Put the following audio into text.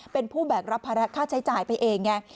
เป็นผู้แบกรับภาระค่าใช้จ่ายไปเองไง